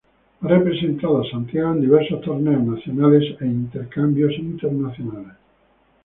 Ha representado a Santiago en diversos torneos nacionales e intercambios internacionales.